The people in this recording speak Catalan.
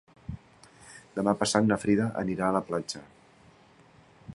Demà passat na Frida anirà a la platja.